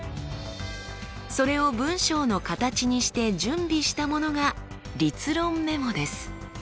それを文章の形にして準備したものが立論メモです。